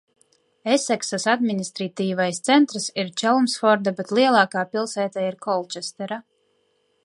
Eseksas administratīvais centrs ir Čelmsforda, bet lielākā pilsēta ir Kolčestera.